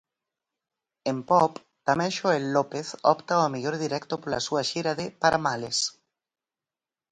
En pop, tamén Xoel López opta ao mellor directo pola súa xira de 'Paramales'.